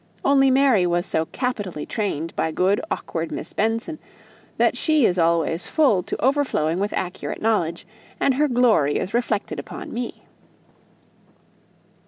Only Mary was so capitally trained by good awkward Miss Benson, that she is always full to overflowing with accurate knowledge, and her glory is reflected upon me."